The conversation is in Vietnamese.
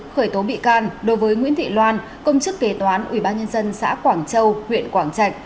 khởi tố bị can đối với nguyễn thị loan công chức kế toán ubnd xã quảng châu huyện quảng trạch